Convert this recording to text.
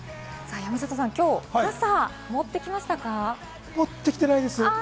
山里さん、持ってきてないです。